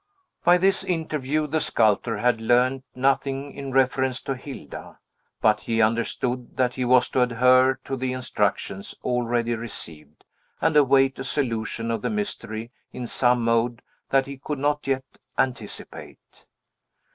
By this interview, the sculptor had learned nothing in reference to Hilda; but he understood that he was to adhere to the instructions already received, and await a solution of the mystery in some mode that he could not yet anticipate.